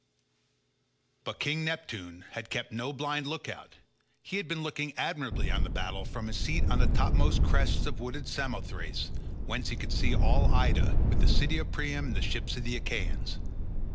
But King Neptune had kept no blind look out; he had been looking admiringly on the battle from his seat on the topmost crests of wooded Samothrace, whence he could see all Ida, with the city of Priam and the ships of the Achaeans.